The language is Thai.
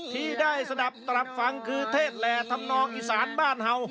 ที่ได้สนับตรับฟังคือเทศแหล่ธรรมนองอีสานบ้านเห่า